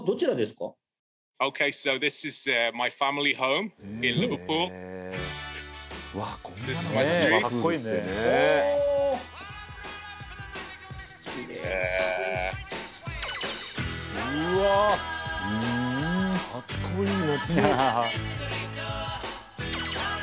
かっこいい町！